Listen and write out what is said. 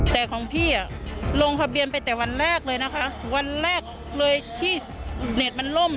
แต่ของพี่อ่ะลงทะเบียนไปแต่วันแรกเลยนะคะวันแรกเลยที่เน็ตมันล่ม